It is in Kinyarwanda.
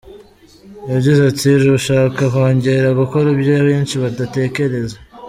Yagize ati “Turashaka kongera gukora ibyo benshi badatekereza.